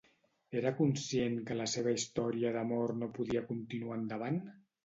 Era conscient que la seva història d'amor no podia continuar endavant?